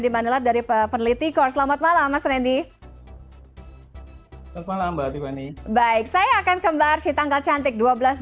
baik saya akan kembar si tanggal cantik dua belas dua belas